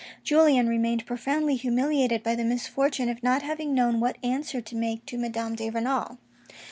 Julien remained profoundly humiliated by the misfortune of not having known what answer to make to Madame de Renal.